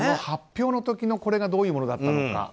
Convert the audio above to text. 発表の時のこれがどういうものだったのか。